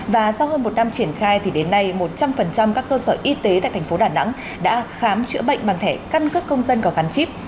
và sau hơn một năm triển khai thì đến nay một trăm linh các cơ sở y tế tại thành phố đà nẵng đã khám chữa bệnh bằng thẻ căn cước công dân có gắn chip